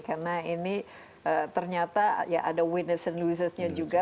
karena ini ternyata ya ada winners and losers nya juga